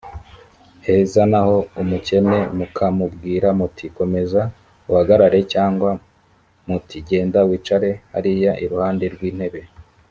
heza naho umukene mukamubwira muti komeza uhagarare cyangwa muti genda wicare hariya iruhande rw intebe